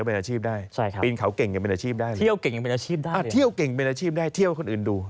เที่ยวเก่งเป็นอาชีพได้เที่ยวให้คนอื่นดู